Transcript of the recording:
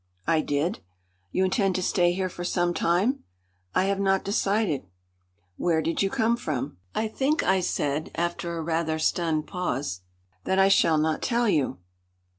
"I did." "You intend to stay here for some time?" "I have not decided." "Where did you come from?" "I think," I said after a rather stunned pause, "that I shall not tell you."